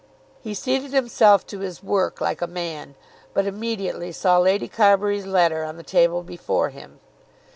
He seated himself to his work like a man, but immediately saw Lady Carbury's letter on the table before him.